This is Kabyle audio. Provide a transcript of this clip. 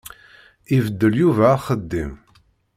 Ibeddel Yuba axeddim.